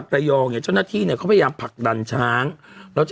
ระยองเนี่ยเจ้าหน้าที่เนี่ยเขาพยายามผลักดันช้างแล้วจะ